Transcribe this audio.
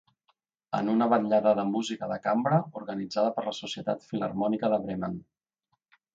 En una vetllada de música de cambra organitzada per la Societat Filharmònica de Bremen.